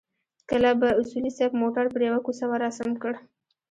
کله به اصولي صیب موټر پر يوه کوڅه ورسم کړ.